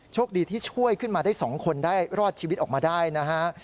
โชคดีที่ช่วยขึ้นมาได้๒คนได้รอดชีวิตออกมาได้นะฮะ